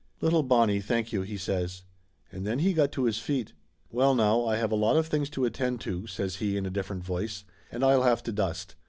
"Little Bonnie, thank you !" he says. And then he got to his feet. "Well now, I have a lot of things to attend to," says he in a different voice, "and I'll have to dust.